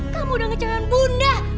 kamu udah ngecahaya bunda